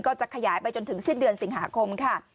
ก็จะขยายไปจนถึงสิ้นเดือนสิงหาคมค่ะ